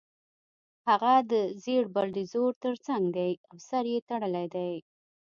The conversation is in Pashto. هغه د زېړ بلډیزور ترڅنګ دی او سر یې تړلی دی